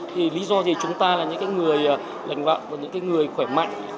thì lý do gì chúng ta là những người lành vạn những người khỏe mạnh